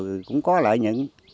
rồi cũng có lợi nhận